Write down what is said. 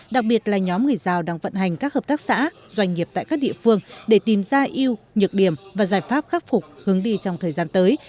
đặc biệt là nhóm người giao đang vận hành các hợp tác xã doanh nghiệp tại các địa phương để tìm ra yêu nhược điểm và giải pháp khắc phục hướng đi trong thời gian tới